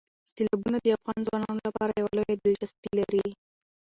سیلابونه د افغان ځوانانو لپاره یوه لویه دلچسپي لري.